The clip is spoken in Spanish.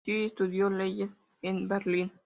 Nació y estudió leyes en Berlín.